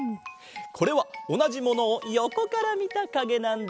これはおなじものをよこからみたかげなんだ。